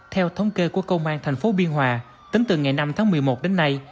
theo thống kê của công an tp biên hòa tính từ ngày năm tháng một mươi một đến nay